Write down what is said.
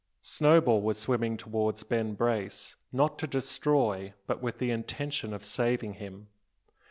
Snowball was swimming towards Ben Brace, not to destroy, but with the intention of saving him.